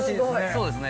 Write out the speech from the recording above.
そうですね。